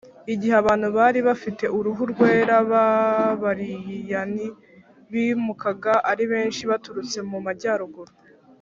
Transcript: igihe abantu bari bafite uruhu rwera b’abariyani bimukaga ari benshi baturutse mu majyaruguru